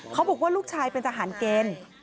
เขาบอกว่าลูกชายเป็นทหารเกณฑ์